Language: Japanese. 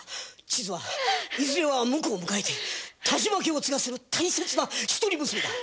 千津はいずれは婿を迎えて田島家を継がせる大切な一人娘だ。